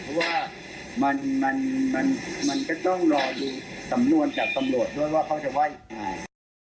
เพราะว่ามันก็ต้องรอดูสำนวนจากตำรวจด้วยว่าเขาจะว่ายังไง